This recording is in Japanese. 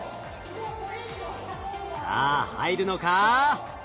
さあ入るのか？